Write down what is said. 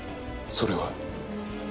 それは？